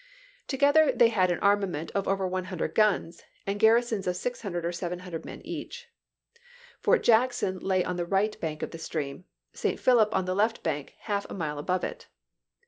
To gether they had an armament of over 100 guns, and garrisons of 600 or 700 men each. Fort Jack son lay on the right bank of the stream; St. Philip on the left bank half a mile above it.